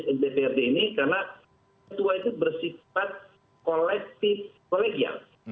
sejenis dprd ini karena ketua itu bersifat kolektif kolegial